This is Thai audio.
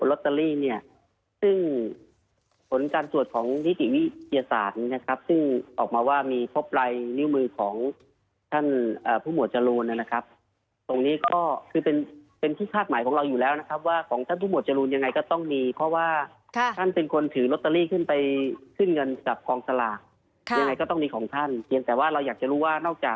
เรียนถามท่านรองหมดเลยค่ะท่านรองตอบได้แค่ไหนแล้วแต่ท่านเลยนะคะ